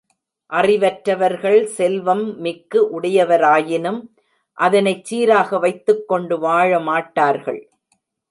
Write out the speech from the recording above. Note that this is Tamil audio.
அறிவற்றவர்கள் செல்வம் மிக்கு உடையவராயினும் அதனைச் சீராக வைத்துக்கொண்டு வாழமாட்டார்கள்.